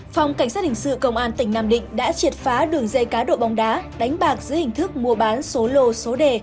phòng cảnh sát hình sự công an tỉnh nam định đã triệt phá đường dây cá độ bóng đá đánh bạc dưới hình thức mua bán số lô số đề